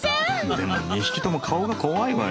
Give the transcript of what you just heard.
でも２匹とも顔が怖いわよ。